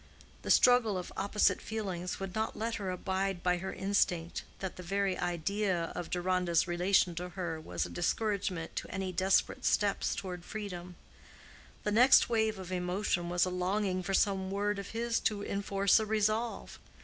The struggle of opposite feelings would not let her abide by her instinct that the very idea of Deronda's relation to her was a discouragement to any desperate step towards freedom. The next wave of emotion was a longing for some word of his to enforce a resolve.